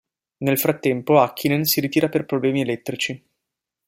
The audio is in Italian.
Nel frattempo, Häkkinen si ritira per problemi elettrici.